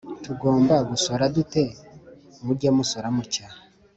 tugomba gusora dute’ muge musora mutya.